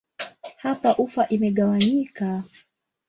Hapa ufa imegawanyika.